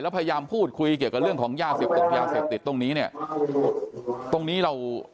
แล้วพยายามพูดคุยเกี่ยวกับเรื่องของยาเสียบตกยาเสพติดตรงนี้เนี่ยตรงนี้เรา